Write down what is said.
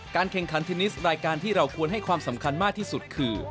แข่งขันเทนนิสรายการที่เราควรให้ความสำคัญมากที่สุดคือ